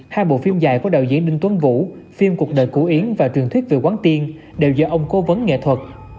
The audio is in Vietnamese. hai bộ phim dài của đạo diễn ninh tuấn vũ phim cuộc đời cũ yến và truyền thuyết về quán tiên đều do ông cố vấn nghệ thuật